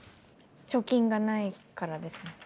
貯金がないからですね。